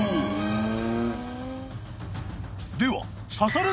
［では］